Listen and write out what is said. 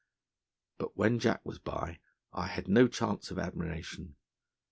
But when Jack was by, I had no chance of admiration.